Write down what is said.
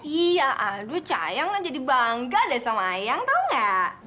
iya aduh sayang nak jadi bangga deh sama ayang tau gak